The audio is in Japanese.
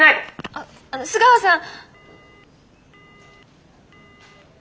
あっあの須川さん。